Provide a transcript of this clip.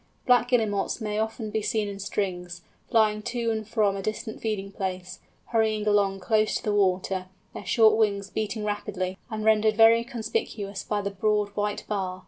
Black Guillemots may often be seen in strings, flying to and from a distant feeding place, hurrying along close to the water, their short wings beating rapidly, and rendered very conspicuous by the broad white bar.